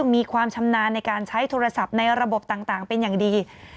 มีความชำนาญในการใช้โทรศัพท์ในระบบต่างเป็นอย่างดี